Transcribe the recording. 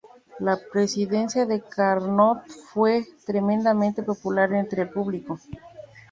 La presidencia de Carnot fue tremendamente popular entre el público.